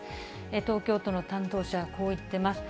東京都の担当者はこう言っています。